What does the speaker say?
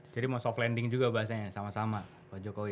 jadi mau soft landing juga bahasanya sama sama pak jokowi